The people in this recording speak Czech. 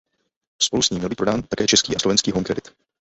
Spolu s ní měl být prodán také český a slovenský Home Credit.